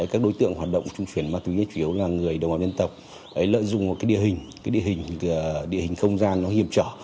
các đối tượng hoạt động vận chuyển ma túy chủ yếu là người đồng bào dân tộc lợi dụng một địa hình địa hình không gian hiểm trở